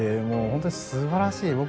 もう本当に素晴らしい。